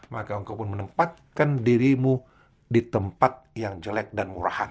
maka engkau pun menempatkan dirimu di tempat yang jelek dan murahan